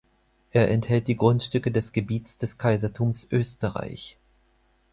Er enthält die Grundstücke des Gebiets des Kaisertums Österreich.